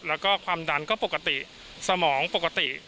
แล้วก็ความดันก็ปกติสมองปกติ